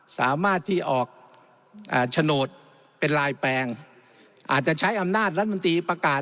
สามารถที่ออกโฉนดเป็นลายแปลงอาจจะใช้อำนาจรัฐมนตรีประกาศ